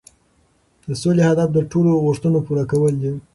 د سولې هدف د ټولو د غوښتنو پوره کول دي.